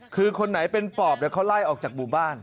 คือคนไหนเป็นปอบเดี๋ยวเขาไล่ออกจากหมู่บ้าน